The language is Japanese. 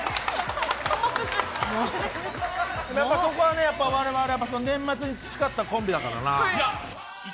ここは我々、年末に培ったコンビだから。